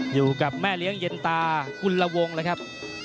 อยู่กับแม่เลี้ยงเย็นตากุลวงแล้วครับ